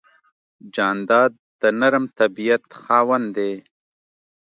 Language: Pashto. جانداد د نرم طبیعت خاوند دی.